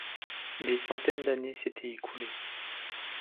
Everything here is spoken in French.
Des centaines d'années s'étaient écoulées.